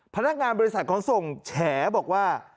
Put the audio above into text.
พนักงานบริษัทขนส่งแฉบอกว่า